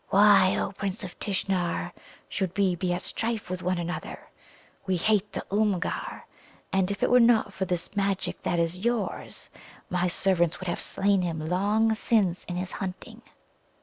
"Why, O Prince of Tishnar, should we be at strife one with another? We hate the Oomgar. And if it were not for this magic that is yours, my servants would have slain him long since in his hunting."